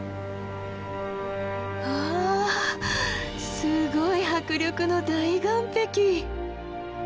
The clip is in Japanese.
わあすごい迫力の大岩壁！